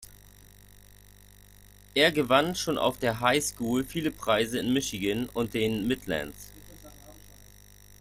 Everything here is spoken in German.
Er gewann schon auf der High School viele Preise in Michigan und den Midlands.